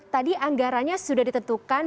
tadi anggaranya sudah ditentukan